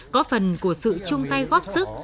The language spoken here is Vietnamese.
có phần của sự chung tay góp sức